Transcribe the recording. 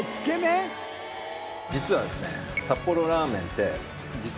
実はですね